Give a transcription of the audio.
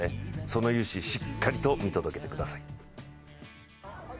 その雄姿、しっかりと見届けてください。